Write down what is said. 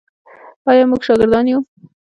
آیا موږ شاکران یو؟